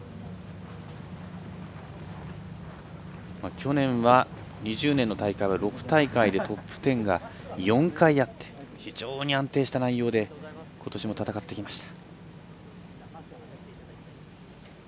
去年、２０年の大会は６大会でトップ１０が４回あって非常に安定した内容でことしも戦ってきました。